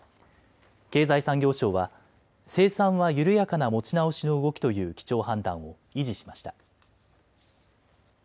経済産業省は生産は緩やかな持ち直しの動きという基調判断を維持しました。